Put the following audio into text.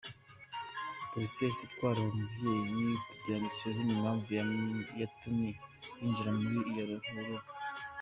Polisi yahise itwara uwo mubyeyi kugira ngo isuzume impamvu yatumye yinjira muri iyo ruhurura.